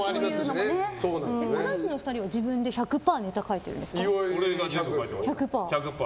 ハライチのお二人は自分で１００％ネタ書いてるんですか。